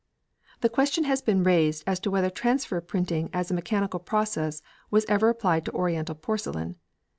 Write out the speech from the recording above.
The question has been raised as to whether transfer printing as a mechanical process was ever applied to Oriental porcelain.